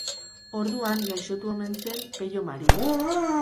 Orduan gaixotu omen zen Pello Mari.